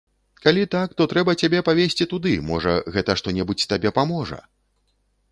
Калі так, то трэба цябе павесці туды, можа, гэта што-небудзь табе паможа!